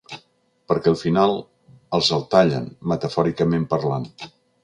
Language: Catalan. Perquè al final els el tallen, metafòricament parlant.